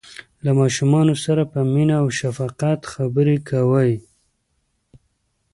له ماشومانو سره په مینه او شفقت خبرې کوئ.